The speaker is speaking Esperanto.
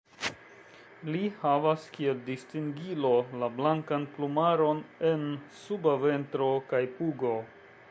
Li havas kiel distingilo la blankan plumaron en suba ventro kaj pugo.